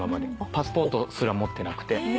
パスポートすら持ってなくて。